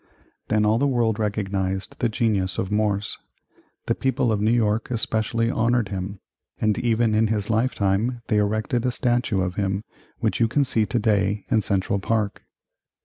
Then all the world recognized the genius of Morse. The people of New York especially honored him, and even in his lifetime they erected a statue of him which you can see to day in Central Park.